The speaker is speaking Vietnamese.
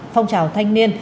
phong trào thanh niên